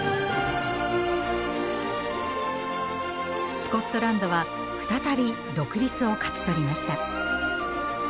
スコットランドは再び独立を勝ち取りました。